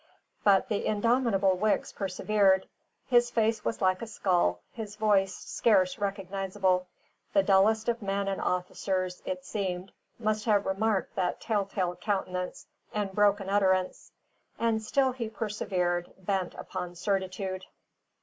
But the indomitable Wicks persevered. His face was like a skull, his voice scarce recognisable; the dullest of men and officers (it seemed) must have remarked that telltale countenance and broken utterance. And still he persevered, bent upon certitude.